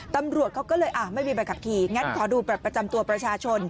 ตำรวจเขาก็เลยไม่มีใบขับขี่งั้นขอดูบัตรประจำตัวประชาชน